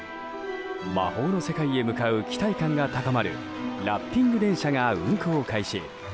魔法の世界へ向かう期待感が高まるラッピング電車が運行開始。